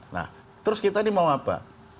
nah terus kita ini mau apa